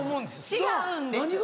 違うんです！